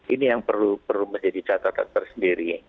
ini yang perlu menjadi catatan tersendiri